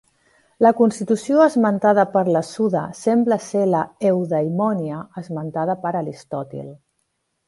La "constitució" esmentada per la Suda sembla ser la "eudaimonia" esmentada per Aristòtil.